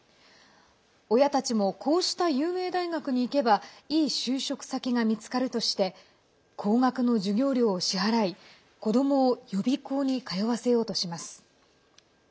親たちもこうした有名大学に行けばいい就職先が見つかるとして高額の授業料を支払い子どもを予備校に通わせようとします。